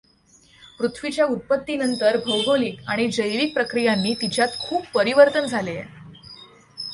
पृथ्वीच्या उत्पत्ती नंतर भौगोलिक आणि जैविक प्रक्रियांनी तिच्यात खूप परिवर्तन झाले आहे.